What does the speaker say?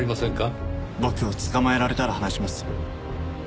僕を捕まえられたら話しますよ。